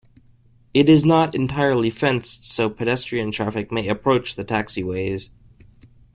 It is not entirely fenced so pedestrian traffic may approach the taxiways.